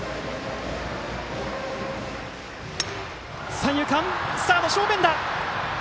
三遊間、サードの正面！